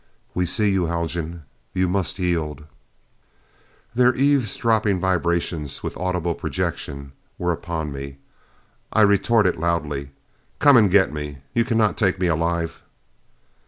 "We see you, Haljan. You must yield!" Their eavesdropping vibrations, with audible projection, were upon me. I retorted loudly, "Come and get me! You cannot take me alive!"